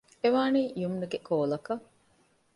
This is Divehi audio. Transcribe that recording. އެވާނީ ޔުމްނުގެ ކޯލަކަށް